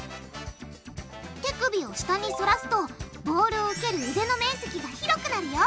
手首を下にそらすとボールを受ける腕の面積が広くなるよ。